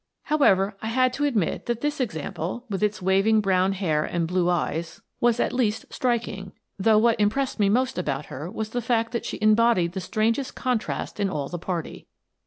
However, I had to admit that this example, with its waving brown hair and blue eyes, was at least striking, though what impressed me 22 Miss Frances Baird, Detective most about her was the fact that she embodied the strangest contrast in all the party.